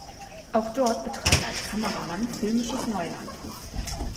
Auch dort betrat er als Kameramann filmisches Neuland.